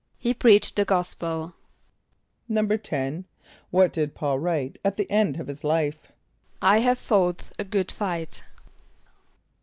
=He preached the gospel.= =10.= What did P[a:]ul write at the end of his life? ="I have fought a good fight."